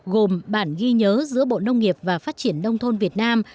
gồm bản ghi nhớ giữa bộ nông nghiệp và phát triển nông thôn việt nam